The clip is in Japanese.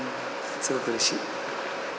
すごくうれしい。